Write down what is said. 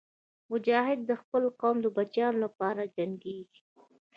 مجاهد د خپل قوم د بچیانو لپاره جنګېږي.